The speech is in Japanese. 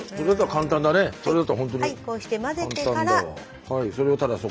簡単だわ。